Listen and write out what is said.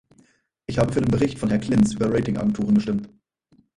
Ich habe für den Bericht von Herrn Klinz über Ratingagenturen gestimmt.